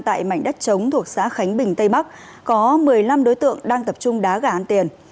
tại mảnh đất chống thuộc xã khánh bình tây bắc có một mươi năm đối tượng đang tập trung đá gà ăn tiền